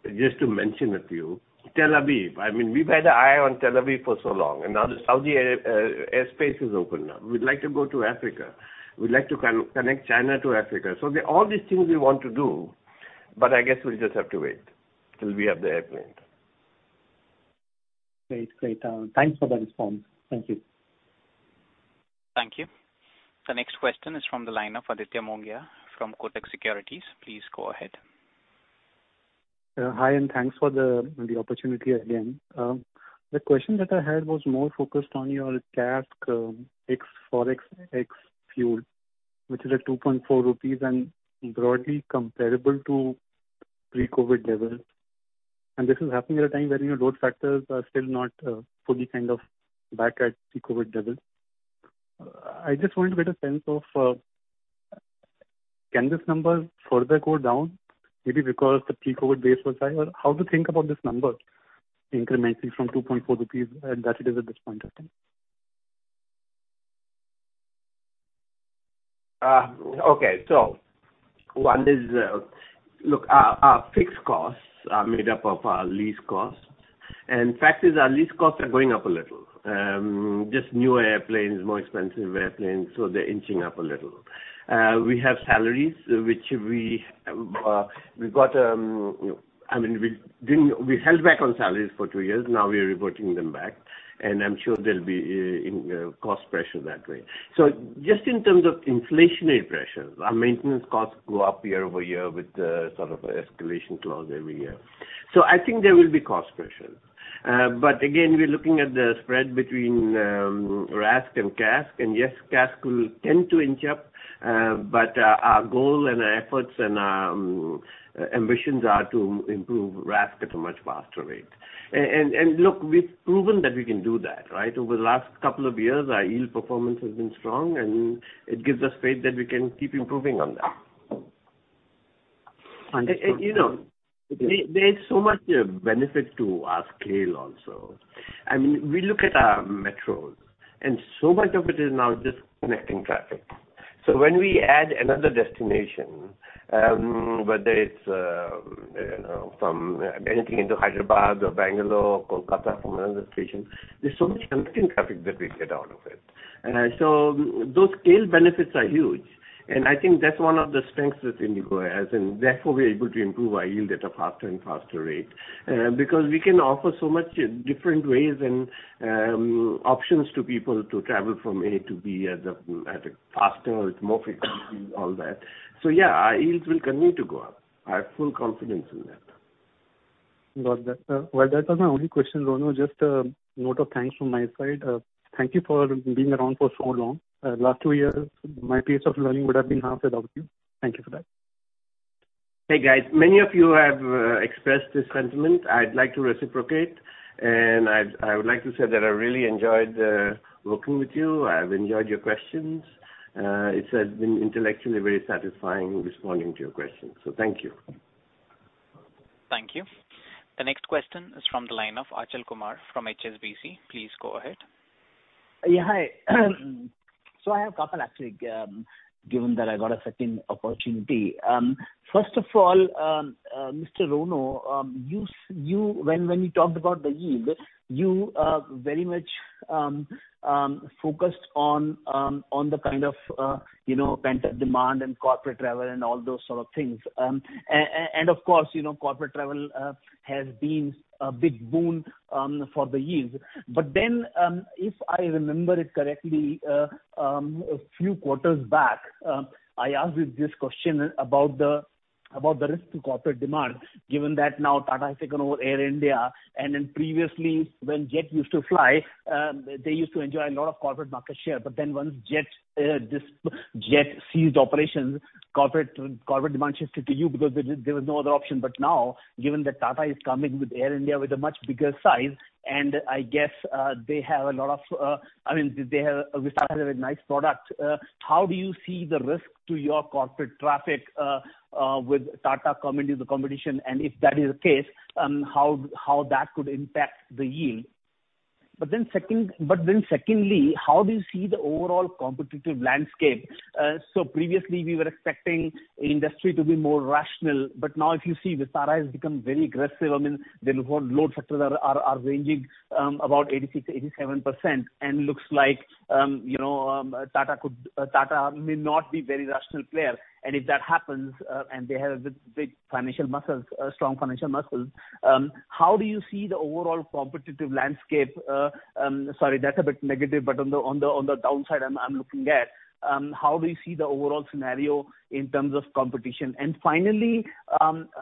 just to mention a few, Tel Aviv. I mean, we've had our eye on Tel Aviv for so long, and now the Saudi airspace is open now. We'd like to go to Africa. We'd like to connect China to Africa. All these things we want to do, but I guess we'll just have to wait till we have the airplane. Great. Thanks for the response. Thank you. Thank you. The next question is from the line of Aditya Mongia from Kotak Securities. Please go ahead. Hi, and thanks for the opportunity again. The question that I had was more focused on your CASK ex-fuel, ex-Forex, which is at 2.4 rupees and broadly comparable to pre-COVID levels. This is happening at a time where, you know, load factors are still not fully kind of back at pre-COVID levels. I just wanted to get a sense of can this number further go down maybe because the pre-COVID base was high? Or how to think about this number incrementally from 2.4 rupees that it is at this point, I think? Okay. One is, look, our fixed costs are made up of our lease costs. Fact is our lease costs are going up a little. Just newer airplanes, more expensive airplanes, so they're inching up a little. We have salaries. I mean, we didn't. We held back on salaries for two years, now we are reverting them back, and I'm sure there'll be, you know, cost pressure that way. Just in terms of inflationary pressures, our maintenance costs go up year-over-year with the sort of escalation clause every year. I think there will be cost pressures. Again, we're looking at the spread between RASK and CASK. Yes, CASK will tend to inch up, but our goal and our efforts and ambitions are to improve RASK at a much faster rate. Look, we've proven that we can do that, right? Over the last couple of years, our yield performance has been strong, and it gives us faith that we can keep improving on that. Understood. You know, there's so much benefit to our scale also. I mean, we look at our metros, and so much of it is now just connecting traffic. When we add another destination, whether it's, you know, from anything into Hyderabad or Bangalore or Kolkata from another station, there's so much connecting traffic that we get out of it. Those scale benefits are huge, and I think that's one of the strengths that IndiGo has, and therefore we're able to improve our yield at a faster and faster rate. Because we can offer so much different ways and, options to people to travel from A to B at a faster, with more frequency, all that. Yeah, our yields will continue to go up. I have full confidence in that. Got that. Well, that was my only question, Rono. Just a note of thanks from my side. Thank you for being around for so long. Last two years, my pace of learning would have been half without you. Thank you for that. Hey, guys, many of you have expressed this sentiment. I'd like to reciprocate, and I would like to say that I really enjoyed working with you. I've enjoyed your questions. It's been intellectually very satisfying responding to your questions. Thank you. Thank you. The next question is from the line of Achal Kumar from HSBC. Please go ahead. Hi. I have a couple actually, given that I got a second opportunity. First of all, Mr. Rono, when you talked about the yield, you very much focused on the kind of, you know, pent-up demand and corporate travel and all those sort of things. Of course, you know, corporate travel has been a big boon for the yield. If I remember it correctly, a few quarters back, I asked you this question about the risk to corporate demand, given that now Tata has taken over Air India, and then previously when Jet used to fly, they used to enjoy a lot of corporate market share. Once Jet ceased operations, corporate demand shifted to you because there was no other option. Now, given that Tata is coming with Air India with a much bigger size, and I guess, they have a lot of, I mean, Vistara has a nice product. How do you see the risk to your corporate traffic with Tata coming into the competition? And if that is the case, how that could impact the yield? Secondly, how do you see the overall competitive landscape? Previously we were expecting industry to be more rational, but now if you see Vistara has become very aggressive. I mean, their load factors are ranging about 86%-87%. Looks like you know Tata may not be very rational player. If that happens and they have strong financial muscles how do you see the overall competitive landscape? Sorry that's a bit negative but on the downside I'm looking at. How do you see the overall scenario in terms of competition? Finally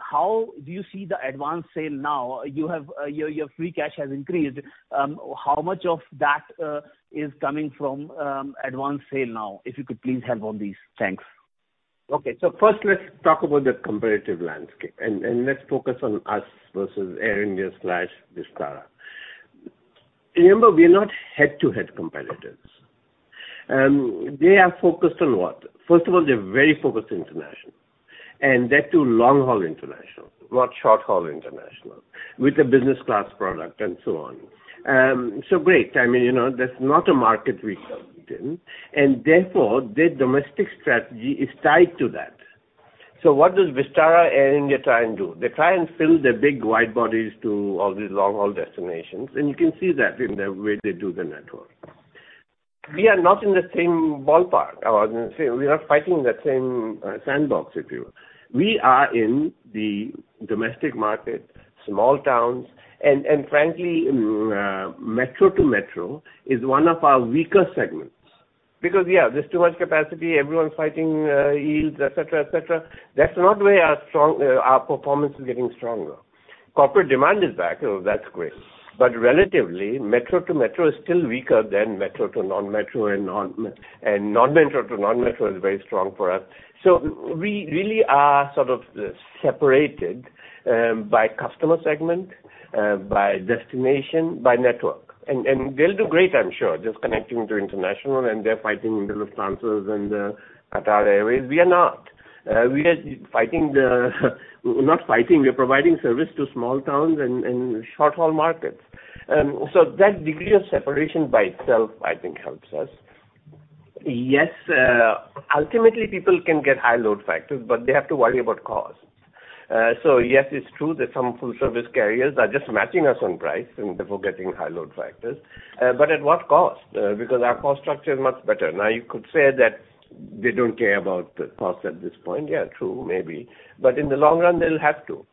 how do you see the advance sale now? You have your free cash has increased. How much of that is coming from advance sale now? If you could please help on these. Thanks. Okay. First let's talk about the competitive landscape and let's focus on us versus Air India slash Vistara. Remember, we are not head-to-head competitors. They are focused on what? First of all, they're very focused international, and that too long-haul international, not short-haul international, with a business class product and so on. Great. I mean, you know, that's not a market we compete in, and therefore their domestic strategy is tied to that. What does Vistara, Air India try and do? They try and fill their big wide bodies to all these long-haul destinations, and you can see that in the way they do the network. We are not in the same ballpark or say we are not fighting in that same sandbox with you. We are in the domestic market, small towns, and frankly, metro to metro is one of our weaker segments because, yeah, there's too much capacity. Everyone's fighting yields, et cetera, et cetera. That's not where our performance is getting stronger. Corporate demand is back. That's great. Relatively metro to metro is still weaker than metro to non-metro and non-metro to non-metro is very strong for us. We really are sort of separated by customer segment, by destination, by network. They'll do great, I'm sure, just connecting to international, and they're fighting the Lufthansa and the Qatar Airways. We are not. We're not fighting. We are providing service to small towns and short-haul markets. That degree of separation by itself I think helps us. Yes, ultimately people can get high load factors, but they have to worry about cost. Yes, it's true that some full service carriers are just matching us on price and therefore getting high load factors. At what cost? Because our cost structure is much better. Now, you could say that they don't care about the cost at this point. Yeah, true. Maybe. In the long run, they'll have to.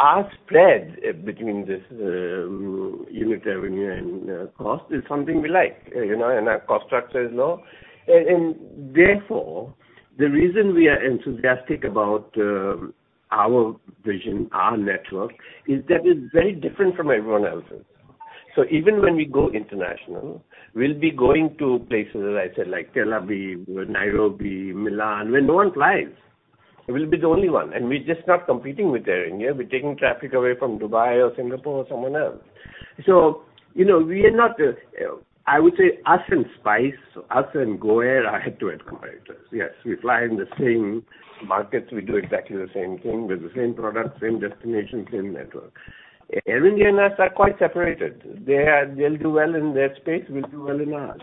Our spread between this unit revenue and cost is something we like, you know, and our cost structure is low. Therefore, the reason we are enthusiastic about our vision, our network is that it's very different from everyone else's. Even when we go international, we'll be going to places, as I said, like Tel Aviv, Nairobi, Milan, where no one flies. We'll be the only one, and we're just not competing with Air India. We're taking traffic away from Dubai or Singapore or someone else. You know, I would say us and Spice, us and GoAir are head-to-head competitors. Yes, we fly in the same markets. We do exactly the same thing with the same product, same destination, same network. Air India and us are quite separated. They'll do well in their space, we'll do well in ours.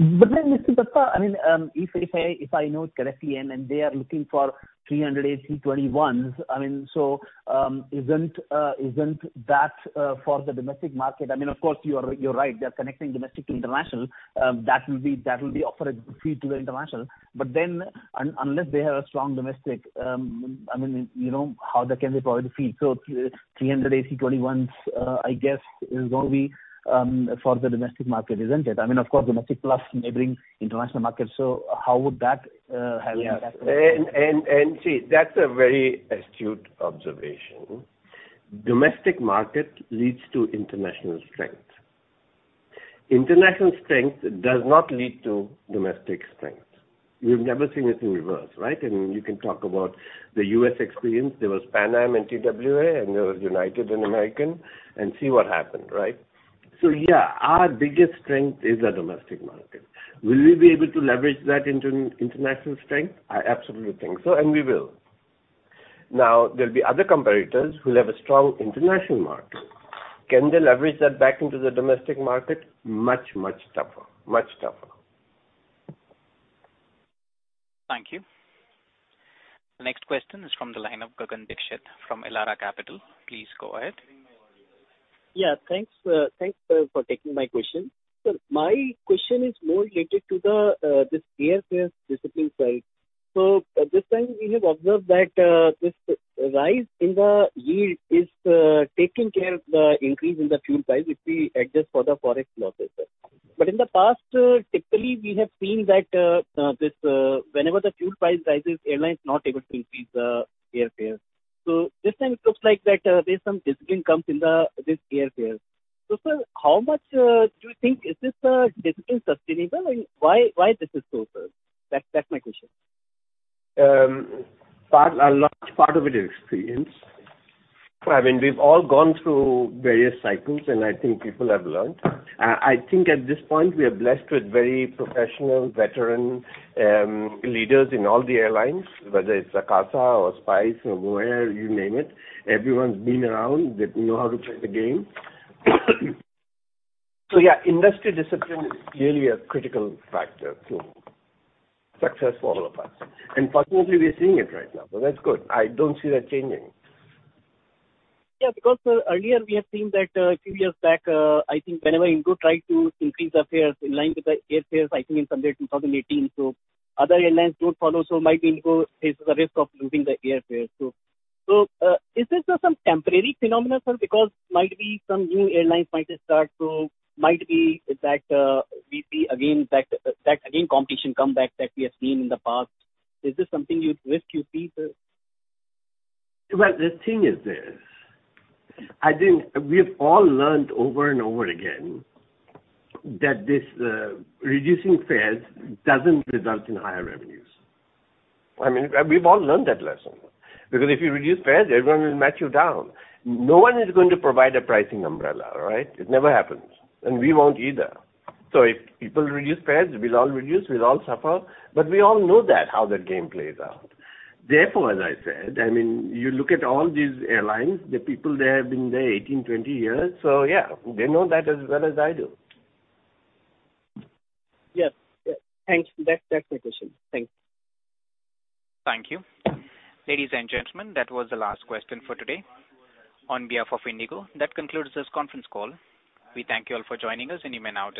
Mr. Dutta, I mean, if I know it correctly, they are looking for 300 A321s, I mean, isn't that for the domestic market? I mean, of course you're right. They're connecting domestic to international. That will be offered free to the international. Unless they have a strong domestic, I mean, you know, how can they provide the feed. 300 A321s, I guess, is gonna be for the domestic market, isn't it? I mean, of course domestic plus neighboring international markets. How would that have impact on- Yeah. See, that's a very astute observation. Domestic market leads to international strength. International strength does not lead to domestic strength. You've never seen it in reverse, right? I mean, you can talk about the U.S. experience. There was Pan Am and TWA, and there was United and American, and see what happened, right? Yeah, our biggest strength is our domestic market. Will we be able to leverage that international strength? I absolutely think so, and we will. Now, there'll be other competitors who have a strong international market. Can they leverage that back into the domestic market? Much, much tougher. Much tougher. Thank you. The next question is from the line of Gagan Dixit from Elara Capital. Please go ahead. Yeah, thanks. Thanks for taking my question. My question is more related to this airfares discipline side. At this time, we have observed that this rise in the yield is taking care of the increase in the fuel price, if we adjust for the Forex losses. In the past, typically we have seen that whenever the fuel price rises, airline is not able to increase the airfare. This time it looks like that there's some discipline comes in this airfare. Sir, how much do you think is this discipline sustainable and why this is so, sir? That's my question. A large part of it is experience. I mean, we've all gone through various cycles, and I think people have learned. I think at this point we are blessed with very professional veteran leaders in all the airlines, whether it's Akasa or Spice or GoAir, you name it. Everyone's been around. They know how to play the game. Yeah, industry discipline is really a critical factor to success for all of us. Fortunately, we are seeing it right now. That's good. I don't see that changing. Yeah, because earlier we have seen that a few years back, I think whenever IndiGo tried to increase the fares in line with the airfares, I think in somewhere 2018, other airlines don't follow, so might be IndiGo takes the risk of losing the airfare. Is this some temporary phenomenon, sir? Because might be some new airlines might just start to, might be that we see again that competition come back that we have seen in the past. Is this something you'd risk, you see, sir? Well, the thing is this. I think we've all learned over and over again that this, reducing fares doesn't result in higher revenues. I mean, we've all learned that lesson. If you reduce fares, everyone will match you down. No one is going to provide a pricing umbrella, right? It never happens, and we won't either. If people reduce fares, we'll all reduce, we'll all suffer. We all know that, how the game plays out. Therefore, as I said, I mean, you look at all these airlines, the people there have been there 18, 20 years. Yeah, they know that as well as I do. Yes. Yeah. Thanks. That's my question. Thank you. Thank you. Ladies and gentlemen, that was the last question for today on behalf of IndiGo. That concludes this conference call. We thank you all for joining us, and you may now disconnect.